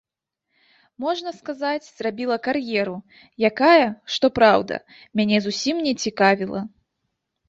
Можна сказаць, зрабіла кар'еру, якая, што праўда, мяне зусім не цікавіла.